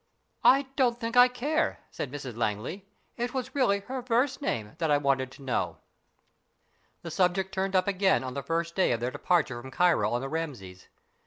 I don't think I care," said Mrs Langley. " It was really her first name that I wanted to know." The subject turned up again on the first day of their departure from Cairo on the Rameses.